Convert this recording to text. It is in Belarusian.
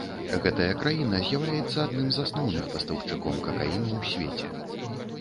Гэтая краіна з'яўляецца адным з асноўных пастаўшчыком какаіну ў свеце.